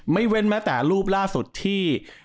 เว้นแม้แต่รูปล่าสุดที่